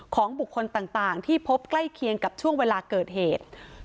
ของบุคคลต่างที่พบใกล้เคียงกับช่วงเวลาเกิดเหตุ